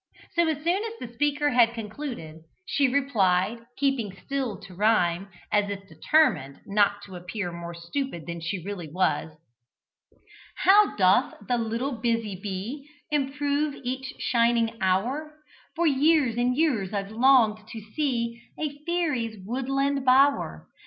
So as soon as the speaker had concluded, she replied, keeping still to rhyme, as if determined not to appear more stupid than she really was, "How doth the little busy bee Improve each shining hour For years and years I've longed to see A fairy's woodland bower.